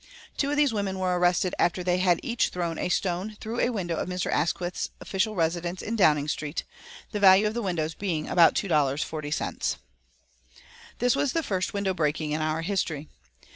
Two of these women were arrested after they had each thrown a stone through a window of Mr. Asquith's official residence in Downing Street, the value of the windows being about $2.40. This was the first window breaking in our history.